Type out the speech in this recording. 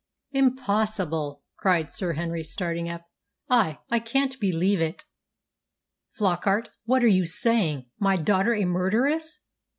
"Impossible!" cried Sir Henry, starting up. "I I can't believe it, Flockart. What are you saying? My daughter a murderess!"